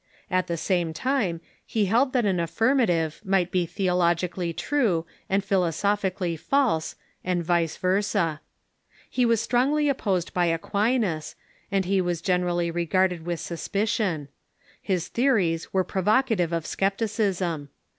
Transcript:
At the same time, he held that an affirmative might be theologically true and philosophically false, and vice versa. He was strongly opposed by Aquinas, and he was generally regarded with sus picion. His theories were provocative of scepticism.